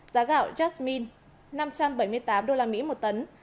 giá gạo jasmine năm trăm bảy mươi tám usd một tấn